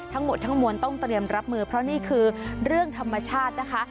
ทั้งหมดทั้งมวลต้องเตรียมรับมือเพราะนี่คือเรื่องธรรมชาตินะคะ